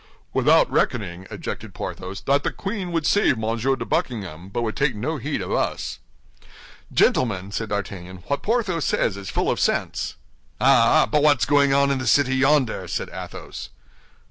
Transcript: "Without reckoning," objected Porthos, "that the queen would save Monsieur de Buckingham, but would take no heed of us." "Gentlemen," said D'Artagnan, "what Porthos says is full of sense." "Ah, ah! but what's going on in the city yonder?" said Athos.